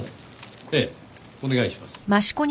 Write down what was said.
ええお願いします。